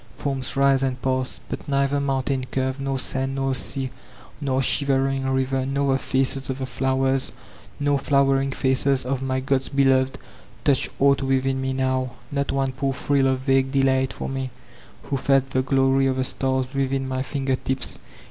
Forms rise and pass ; but neither mountain curve nor sand nor sea* nor shivering river, nor the faces of the flowers, nor flowering faces of my god's beloved, touch anght witUn me now. Not one poor thrill of vague deUgfat for me, who feh the glory of the stars within my finger tips.